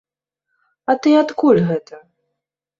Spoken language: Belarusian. А ты адкуль гэта?